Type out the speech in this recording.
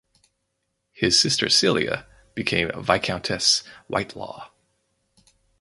His sister Celia became Viscountess Whitelaw.